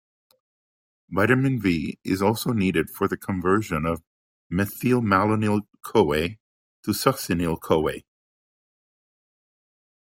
Vitamin B is also needed for the conversion of methylmalonyl-CoA to Succinyl-CoA.